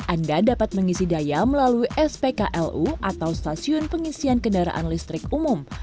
anda dapat mengisi daya melalui spklu atau stasiun pengisian kendaraan listrik umum